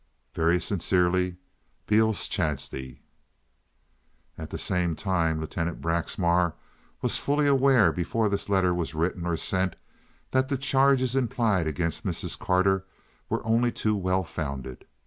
Very sincerely, BEALES CHADSEY. At the same time Lieutenant Braxmar was fully aware before this letter was written or sent that the charges implied against Mrs. Carter were only too well founded.